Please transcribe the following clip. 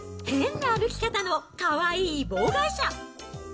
変な歩き方のかわいい妨害者。